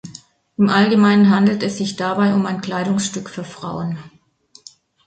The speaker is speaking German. Im Allgemeinen handelt es sich dabei um ein Kleidungsstück für Frauen.